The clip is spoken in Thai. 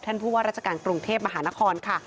ผู้ว่าราชการกรุงเทพมหานครค่ะ